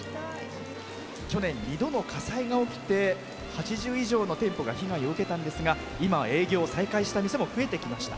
去年、２度の火災が起きて８０以上の店舗が被害を受けたんですが今は営業を再開した店も増えてきました。